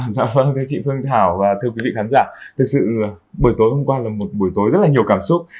dạ vâng thưa chị phương thảo và thưa quý vị khán giả thực sự buổi tối hôm qua là một buổi tối rất là nhiều cảm xúc